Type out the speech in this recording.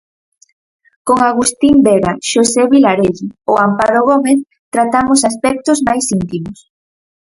Con Agustín Vega, Xosé Vilarelle ou Amparo Gómez tratamos aspectos máis íntimos.